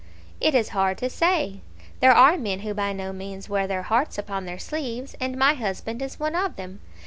"It is hard to say. There are men who by no means wear their hearts upon their sleeves, and my husband is one of them.